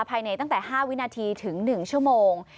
ภายในตั้งแต่๕วินาทีถึง๑ชั่วโมง